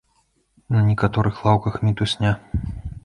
На некаторых лаўках мітусня.